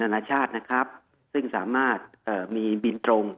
นานาชาตินะครับซึ่งสามารถมีบินตรง